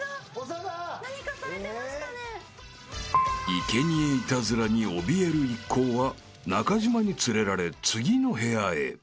［生贄イタズラにおびえる一行は中島に連れられ次の部屋へ］